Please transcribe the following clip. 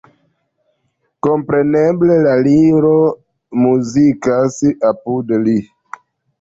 Kompreneble la Liro muzikas apud li.